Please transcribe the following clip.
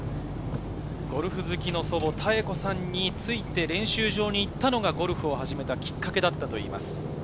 ゴルフ好きの祖母・たえこさんについて練習場に行ったのがゴルフを始めたきっかけだったといいます。